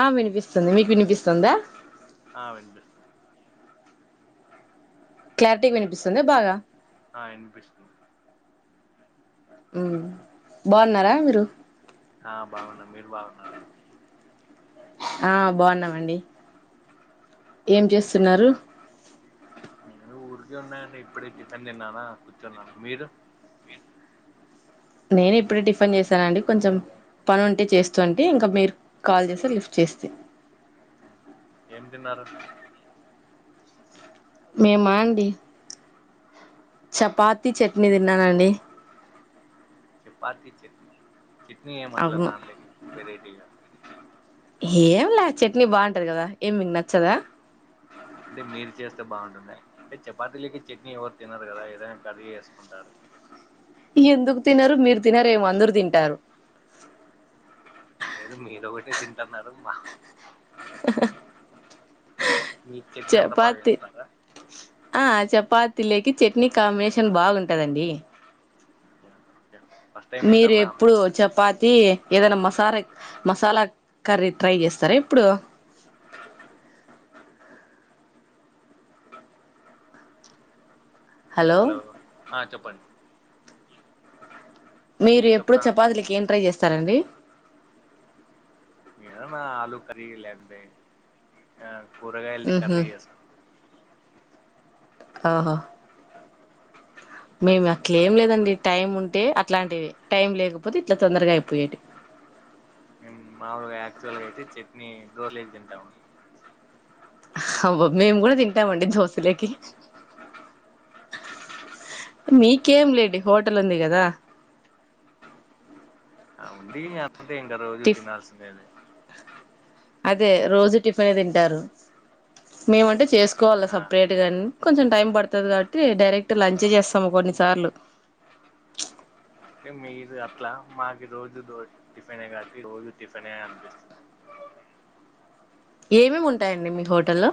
ఆ వినిపిస్తుంది మీకు వినిపిస్తుందా ఆ వినిపిస్తుంది క్లారిటిగా వినిపిస్తుందా బాగా ఆ వినిపిస్తుంది హు బాగున్నారా మీరు ఆా బాగున్నాము మీరు బాగున్నారా ఆ బాగున్నామండి ఏం ఏ చేస్తున్నారు ఇ ఉన్నాయండి ఇప్పుడే టిఫిన్ తిన్నానా కూర్చున్నాను మీరు నేను ఇప్పుడే టిఫిన్ చేశానండి కొంచెం పని ఉంటే చేస్తు ఉంటి ఇంకా మీరు కాల్ చేస్తే లిఫ్ట్ చేస్థి ఎం తిన్నరు మేమా అండి చపాతి చట్నీ తిన్నానండి చెపాతి చెట్ని చెట్నీ ఎం అట్లా అవును దాంట్లో ఎం వెరైటీ లేదా ఏం లే చట్నీ బాగుంటాది కదా ఏమి మీకు నచ్చదా అంటే మీరు చేస్తే బాగుంటదా అంటే చపాతీలకి చట్నీ ఎవరు తినరు కదా ఏదైనా కర్రి వేసుకుంటారు ఎందుకు తినరు మీరు తినరెమో అందరు తింటారు లేదు మీదోకటే తింటన్నారు మా స మీరు చట్నీ అంతా బాగా చెస్తారా చపాతి లేకి చట్నీ కాంబినేషన్ బాగుంటదండి ఓకే, ఫస్ట్ టైం మీరు వింటన్నా ఎప్పుడు అందుకే చపాతి ఏదైనా మసాలా మసాలా కర్రీ ట్రై చేస్తారా ఇప్పుడు హలో ల చెప్పు ప మీరు ఎప్పుడు చెప్తా చపాతి కిలకి ఎంట్రై చేస్తారు సరేండి ఏద ఆలూ కరి లేక తే కూరగాయది ఉహు కర్రీ చేసుకు ఆహా మేము అట్లే ఏం లేదండి టైం ఉంటే అట్లాంటివ టైం లేకపోతే ఇట్లా తొందరగా అయిపోయది మామూలుగా యాక్చువల్ గా అయితే చట్నీ దోసలేకి తింటావును అవో మేము కూడా తింటామండి దోస్తులకి మీకేం లేండి హోటల్ ఉంది కదా ఆ ఉంది య అంటే ఇం రోజు టిఫ్ తిినల్సిందే నండి అదే రోజు టిఫిన్ తింటారు మేముంటే చేసు కోలా ఆ సపరేట్ గన్ కొంచెం టైం పడుతుంది కాబట్టి డైరెక్ట్ లంచ్ చేస్తాము కొన్నిసార్లు అరే మీరు అట్లా మాకు రోజు టిఫిన్ కాబట్టి రోజు టిఫిన్ అనిపిస్తుంది ఏం ఏం ఉంటాయండి మీ హోటల్లో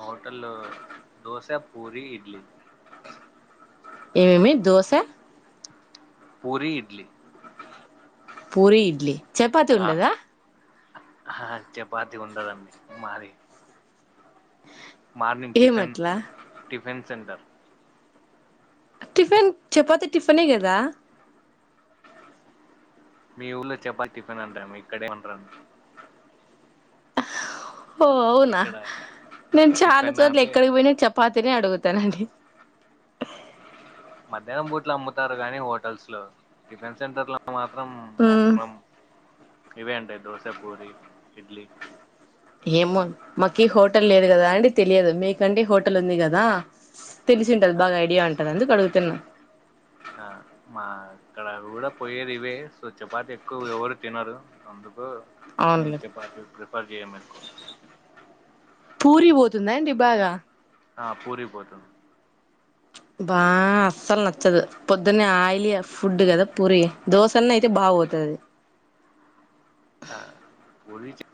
హోటల్ దోస పూరి ఇడ్లీ ఏమేమి దోశ పూరి ఇడ్లీ పూరి ఇడ్లి చపాతి ఆ ఉండదా ఆ చపాతి ఉండదండి మారి మార్నింగ్ టిఫెన్ ఏమట్లా టిఫెన్ సెంటర్ టిఫిన్ చపాతి టిఫినే కదా మీ ఊళ్ళలో చపాతి టిఫిన్ అంటాము ఇక్కడే ఉంటరాండి ఓ అవునా ఇక్కడ నేను చా టిఫిన్ చోట్ల అంటే ఎక్కడికి పోయిన చెప్ప పాతినే అడుగుతానండి మధ్యాహ్నం బూట్లు అమ్ముతారు గాని హోటల్స్ లో టిఫిన్ సెంటర్ లో మాత్రం మ్మ్. మాక్సిమం ఇవే అంటయి దోస పూరి ఇడ్లీ ఏమో మాకు హోటల్ లేదు కదా అండి తెలియదు మీకంటే హోటల్ ఉంది కదా తెలిసి ఉంటది ఆ బా ఐడియా ఉంటుంది అడుగుతున్నాను ఆ మా ఇక్కడ కూడా పోయేది ఇవే సో చపాత ఎక్కువ ఎవరు తినరు అందుకు మేము అవునులే చెపాటి ప్రిఫర్ చేయమరి పూరి పోతుందా అడి బాగా నా పూరిబోతుంది బా అస్సలు నచ్చదు పొద్దున్న ఆయిలీ ఫుడ్ కదా పూరి దోశన్న అయితే బాగ పోతుది ఆ [unintelligible]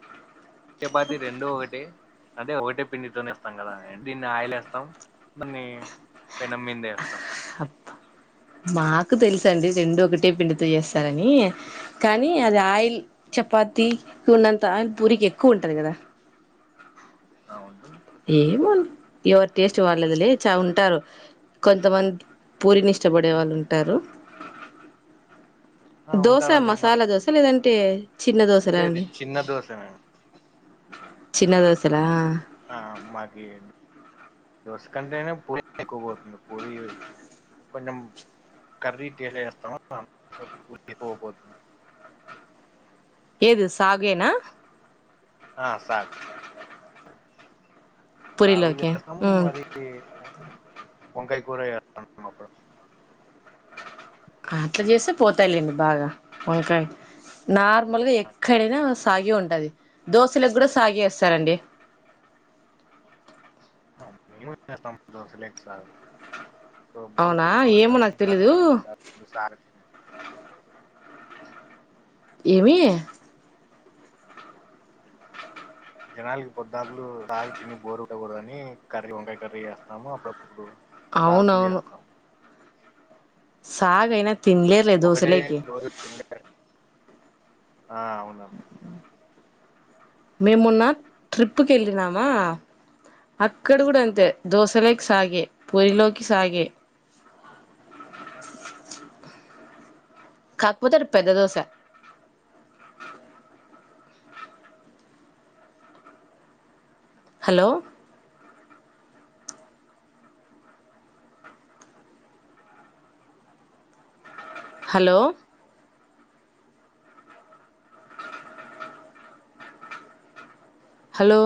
చపాతీ రెండూ ఒక్కటే అంటే ఒకటే పిండితోనే వేస్తాం కదా దీన్ని ఆయిలే వేస్తాం దాన్ని పెనం మీందే వేస్తాం అ మాకు తెలుసండి రెండు ఒకటే పిండితో చేస్తారని కానీ అది ఆయిల్ చపాత ఉన్నంత ఆయిల్ పూరికి ఎక్కువ ఉంటది కదా ఆ ఉంటు ఏమో ఎవరి టేస్ట్ వాళ్ళది లే చా ఉంటారు కొంతమంది పూరిని ఇష్టపడే వాళ్ళు ఉంటారు ఆ దోశ ఉంటానండి మా మసాలా దోశ లేదం టె లేదు చిన్న దోశ [unintelligible] చిన్న దోశల ఆ మాకి దోశ కంటేనే పూరి ఎక్కువ పోతుంది పూరి కొంచెం కర్రీ [unintelligible] వేస్తామ పూరి ఎక్కుపోతుంది ఏది సాగేనా ఆ సా పురిలోకి ఉమ్ వంకాయ కూర చేస్తాం [unintelligible] అట్లా చేస్తే పోతాయ్ లేండి బాగా వంకాయ నార్ మాల్ గా ఎక్కడైనా సాగి ఉంటది దోశలకు కూడా సాగి వేస్తారండి మేము వేస్తాం దశలోకి సాగు సో బోరు అవునా ఏమో కొట్టకూడదని నాకు తెలీదు జనాలకి పొద్దాకులు సాగు తిని ఏమి జనాలకి పొద్దాకులు సాగు తిన్ని బోరుట్టకూడదని కర్రీ వంకాయ కర్రీ చేస్తాము అప్పుడపు సాగు చేస్తాం సాగు అయినా తినలేరులే ఒకటే దోసలేేకి రోజు తినలేరు ఆ అవున మేమున్న ట్రిప్కి ఎళ్ళినామా అక్కడ కూడా అంతే దోశలోకి సాగే పూరిలోకి సాగే కాకపోతే అది పెద్ద దోశ హలో హలో హలో